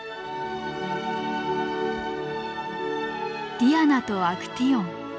「ディアナとアクティオン」。